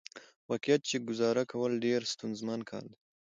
واقعيت چې ګزاره کول ډېره ستونزمن کار دى .